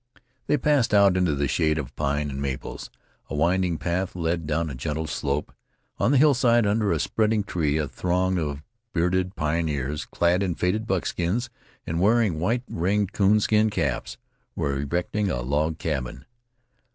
They passed out into the shade of pine and maples. A winding path led down a gentle slope. On the hillside under a spreading tree a throng of bearded pioneers, clad in faded buckskins and wearing white ringed coonskin caps, were erecting a log cabin.